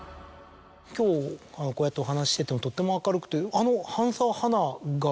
今日こうやってお話ししててもとっても明るくてあの。